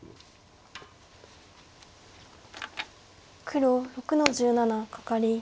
黒６の十七カカリ。